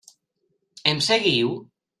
Em seguiu?